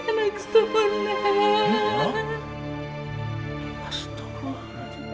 apa benar itu sunan